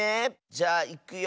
じゃあいくよ。